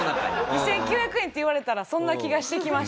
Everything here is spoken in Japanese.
２９００円って言われたらそんな気がしてきました。